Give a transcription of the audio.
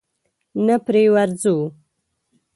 نه پرې ورځو؟